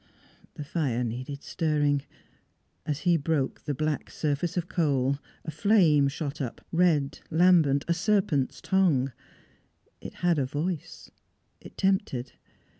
The fire needed stirring. As he broke the black surface of coal, a flame shot up, red, lambent, a serpent's tongue. It had a voice; it tempted.